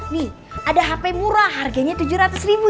nih ada hp murah harganya tujuh ratus ribu